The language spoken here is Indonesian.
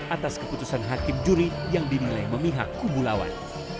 atas keputusan hakim juri yang dinilai memihak kubu lawan